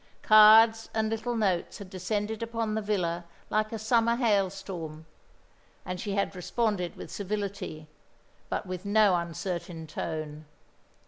Cards and little notes had descended upon the villa like a summer hailstorm; and she had responded with civility, but with no uncertain tone.